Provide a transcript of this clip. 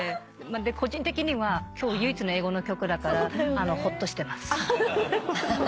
個人的には今日唯一の英語の曲だからほっとしてます。